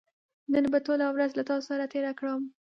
نن به ټوله ورځ له تاسو سره تېره کړم